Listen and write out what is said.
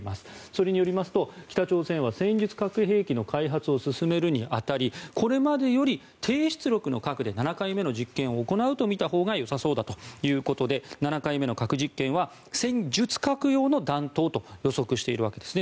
それによりますと北朝鮮は戦術核兵器の開発を進めるに当たりこれまでより低出力の核で７回目の実験を行うとみたほうがよさそうだということで７回目の核実験は戦術核用の弾頭と予測しているわけです。